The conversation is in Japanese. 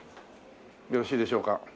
よろしいでしょうか。